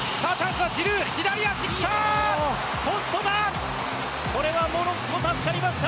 左足、来た！